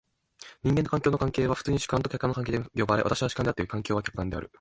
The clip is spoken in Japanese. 人間と環境の関係は普通に主観と客観の関係と呼ばれ、私は主観であって、環境は客観である。